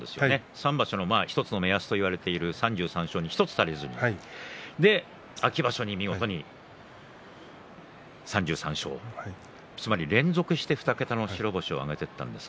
３場所の１つの目安といわれている３３勝に１つ足りずに秋場所で見事に３３勝つまり連続して２桁の白星を挙げていったんです。